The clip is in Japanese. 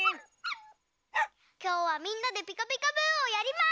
きょうはみんなで「ピカピカブ！」をやります！